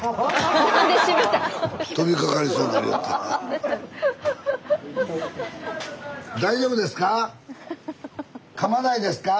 スタジオ飛びかかりそうになりよったから。